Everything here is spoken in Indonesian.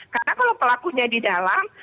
karena kalau pelakunya di dalam